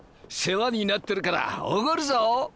世話になってるからおごるぞ。